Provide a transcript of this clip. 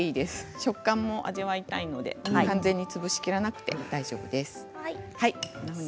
食感も味わいたいので完全に潰しきらなくて大丈夫です。